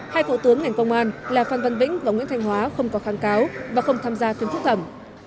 hai phụ tướng ngành công an là phan văn vĩnh và nguyễn thanh hóa không có kháng cáo và không tham gia phiên phúc thẩm